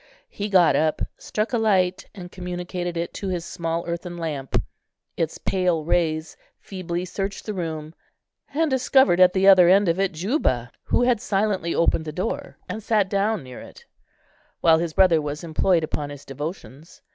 He got up, struck a light, and communicated it to his small earthen lamp. Its pale rays feebly searched the room and discovered at the other end of it Juba, who had silently opened the door, and sat down near it, while his brother was employed upon his devotions.